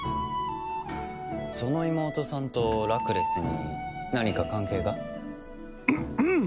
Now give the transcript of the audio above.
その妹さんとラクレスに何か関係が？